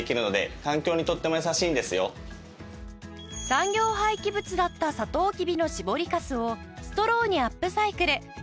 産業廃棄物だったサトウキビの搾りかすをストローにアップサイクル